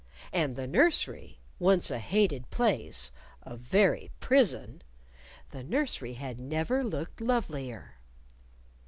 And the nursery, once a hated place a very prison! the nursery had never looked lovelier!